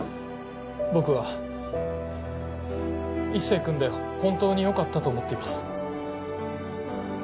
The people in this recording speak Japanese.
僕は一星君で本当によかったと思っています。